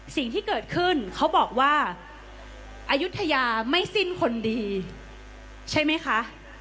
สิ่งที่เกิดขึ้นเขาบอกว่าอายุทยาไม่สิ้นคนดีใช่ไหมคะ